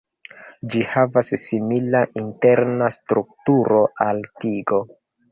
Ĝi havas simila interna strukturo al tigo.